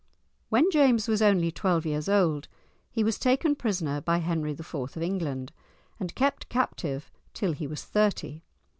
When James was only twelve years old, he was taken prisoner by Henry IV. of England, and kept captive till he was thirty.